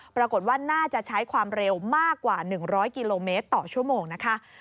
ปรากฏว่าน่าจะใช้ความเร็วมากกว่า๑๐๐กิโลเมตรต่อชั่วโมงนะคะ